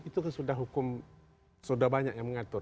itu sudah hukum sudah banyak yang mengatur